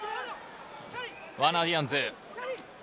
ワーナー・ディアンズ。